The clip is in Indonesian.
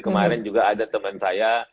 kemarin juga ada teman saya